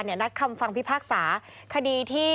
นัดคำฟังพิพากษาคดีที่